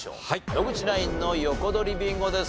野口ナインの横取りビンゴです。